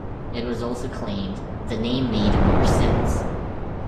It was also claimed "the name made more sense".